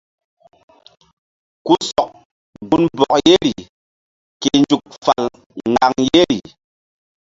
Ku sɔk gunbɔk yeri ke nzuk fal ŋgaŋ yeri.